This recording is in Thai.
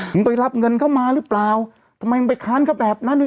มึงไปรับเงินเข้ามาหรือเปล่าทำไมมึงไปค้านเขาแบบนั้น